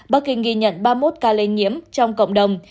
bắc kinh ghi nhận ba mươi một ca lây nhiễm trong cộng đồng